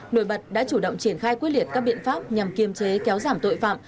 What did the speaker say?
nội bật đã chủ động triển khai quyết liệt các biện pháp nhằm kiềm chế kéo giảm tội phạm